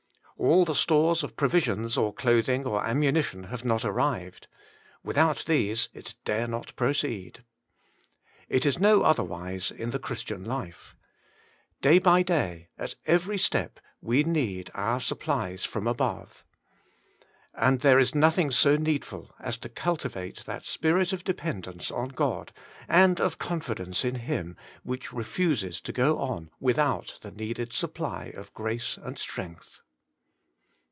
All the stores of provisions or clothing or ammunition have not arrived ; without these it dare not proceed. It is no otherwise in the Christian life : day by day, at every step, we need our supplies from above. And there is nothing so needful as to cultivate that spirit of dependence on God and of confidence in Him, which refuses to go on without the needed supply of grace and strength.